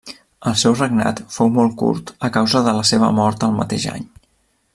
El seu regnat fou molt curt a causa de la seva mort el mateix any.